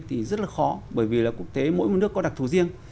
thì rất là khó bởi vì là quốc tế mỗi một nước có đặc thù riêng